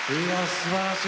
すばらしい。